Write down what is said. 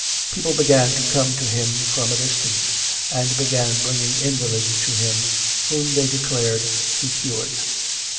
People began to come to him from a distance, and began bringing invalids to him whom they declared he cured.